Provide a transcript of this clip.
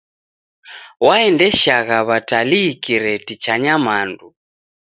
Waendeshagha w'atalii kireti cha nyamandu.